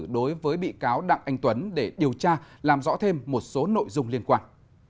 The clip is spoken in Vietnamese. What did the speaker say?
đối với bị cáo đặng anh tuấn để điều tra làm rõ thêm một số nội dung liên quan